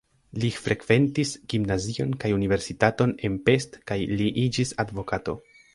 Li frekventis gimnazion kaj universitaton en Pest kaj li iĝis advokato.